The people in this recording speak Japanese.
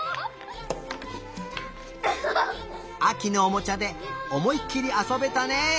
あきのおもちゃでおもいっきりあそべたね！